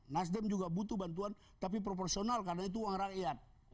nasdem juga butuh bantuan tapi proporsional karena itu uang rakyat